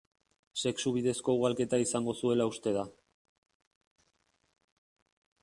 Sexu bidezko ugalketa izango zuela uste da.